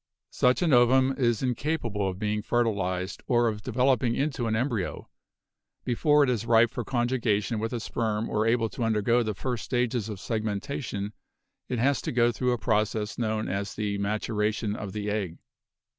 Such an ovum is incapable of being fertilized or of de veloping into an embryo; before it is ripe for conjugation with a sperm or able to undergo the first stages of segmen tation it has to go through a process known as the matura tion of the egg.